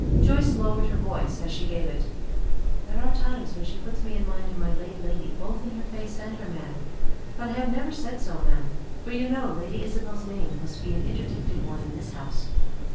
Joyce lowered her voice as she gave it. "There are times when she puts me in mind of my late lady both in her face and manner. But I have never said so, ma'am; for you know Lady Isabel's name must be an interdicted one in this house."